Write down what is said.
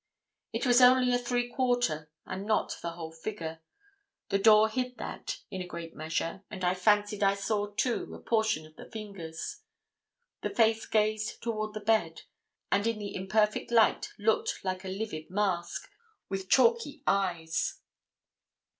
It was only a 'three quarter,' and not the whole figure the door hid that in a great measure, and I fancied I saw, too, a portion of the fingers. The face gazed toward the bed, and in the imperfect light looked like a livid mask, with chalky eyes.